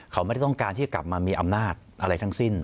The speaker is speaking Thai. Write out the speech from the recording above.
เขาไม่ได้ต้องการที่จะกลับมามีอำนาจอะไรทั้งสิ้น